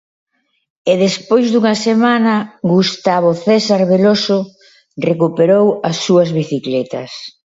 E despois dunha semana, Gustavo César Veloso recuperou as súas bicicletas.